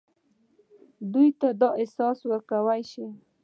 دوی ته دا احساس ورکولای شي.